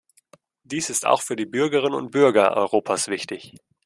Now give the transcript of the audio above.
Dies ist auch für die Bürgerinnen und Bürger Europas wichtig.